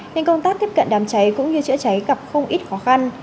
nên công tác tiếp cận đám cháy cũng như chữa cháy gặp không ít khó khăn